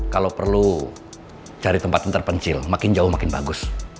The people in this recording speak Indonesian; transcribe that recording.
kalau perlu cari tempat yang terpencil makin jauh makin bagus